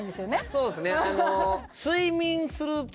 そうですね何？